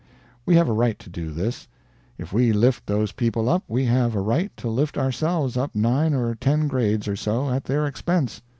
We have a right to do this. If we lift those people up, we have a right to lift ourselves up nine or ten grades or so, at their expense.